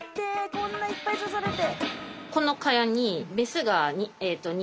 こんないっぱい刺されて。